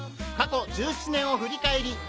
過去１７年を振り返り